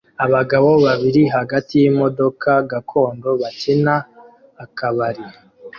abagabo babiri hagati yimodoka gakondo bakina akabari